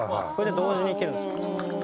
それで同時にいけるんですよ。